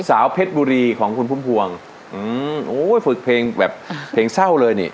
เพชรบุรีของคุณพุ่มพวงอืมโอ้ยฝึกเพลงแบบเพลงเศร้าเลยนี่